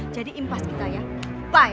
jadi impas kita ya bye